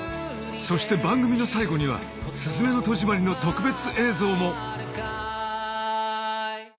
そして番組の最後には『すずめの戸締まり』の特別映像も！